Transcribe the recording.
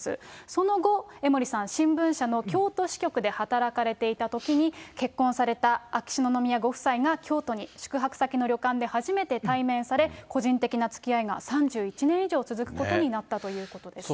その後、江森さん、新聞社の京都支局で働かれていたときに、結婚された秋篠宮ご夫妻が京都に宿泊先の旅館で初めて対面され、個人的なつきあいが３１年以上続くことになったということです。